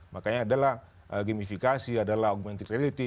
makanya adalah gamifikasi adalah augmented reality